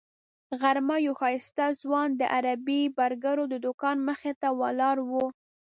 غرمه یو ښایسته ځوان د عربي برګرو د دوکان مخې ته ولاړ و.